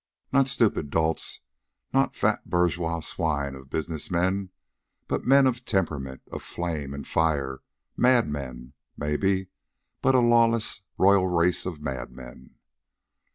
Not stupid dolts, nor fat bourgeois swine of business men, but men of temperament, of flame and fire; madmen, maybe, but a lawless, royal race of madmen.